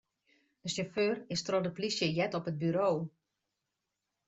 De sjauffeur is troch de polysje heard op it buro.